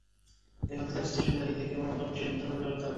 এখন তাদের স্টেশনে দাঁড়িয়ে থেকে নতুন ট্রেনের জন্য অপেক্ষা করতে হবে।